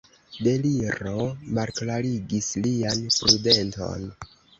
Deliro malklarigis lian prudenton.